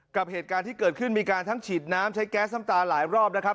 กับเหตุการณ์ที่เกิดขึ้นมีการทั้งฉีดน้ำใช้แก๊สน้ำตาหลายรอบนะครับ